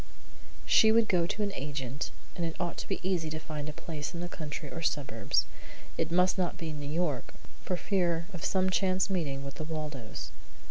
She would go to an agent, and it ought to be easy to find a place in the country or suburbs. It must not be New York, for fear of some chance meeting with the Waldos.